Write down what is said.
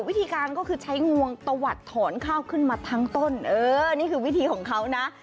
วิธีการก็คือใช้งวงตะวัดถอนข้าวขึ้นมาทั้งต้นเออนี่คือวิธีของเขานะ